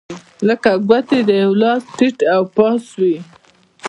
لکه ګوتې د یوه لاس ټیت و پاس وې.